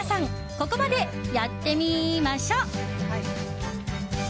ここまでやってみましょっ！